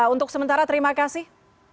untuk sementara terima kasih